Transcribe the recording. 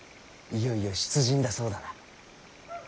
いよいよ出陣だそうだな。